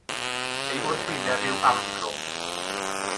Ei wrthwyneb yw amgrwm.